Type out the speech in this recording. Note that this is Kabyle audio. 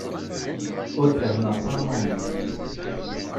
Ur fehhmeɣ talmanit.